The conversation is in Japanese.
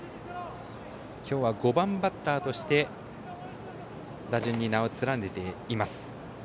今日は５番バッターとして打順に名を連ねています。